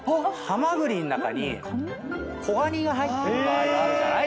ハマグリの中に小ガニが入ってる場合があるじゃない？